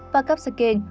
và cắp sạc kênh